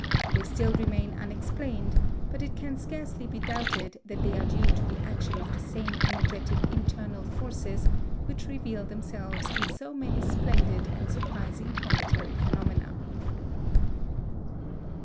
They still remain unexplained; but it can scarcely be doubted that they are due to the action of the same energetic internal forces which reveal themselves in so many splendid and surprising cometary phenomena.